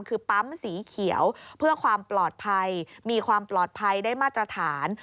คือปั๊มสีเขียวเพื่อความปลอดภัยมีความปลอดภัยได้มาตรฐาน